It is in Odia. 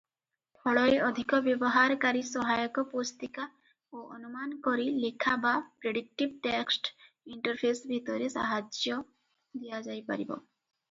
ଫଳରେ ଅଧିକ ବ୍ୟବହାରକାରୀ ସହାୟକ ପୁସ୍ତିକା ଓ ଅନୁମାନ କରି ଲେଖା ବା ପ୍ରେଡିକ୍ଟିଭ ଟେକ୍ସଟ ଇଣ୍ଟରଫେସ ଭିତରେ ସାହାଯ୍ୟ ଦିଆଯାଇପାରିବ ।